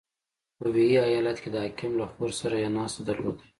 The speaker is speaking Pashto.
• په ویي ایالت کې د حاکم له خور سره یې ناسته درلوده.